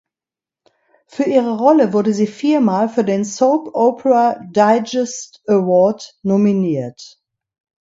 Für ihre Rolle wurde sie viermal für den Soap Opera Digest Award nominiert.